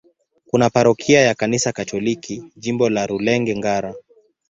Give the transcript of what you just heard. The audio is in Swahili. Kuna parokia ya Kanisa Katoliki, Jimbo la Rulenge-Ngara.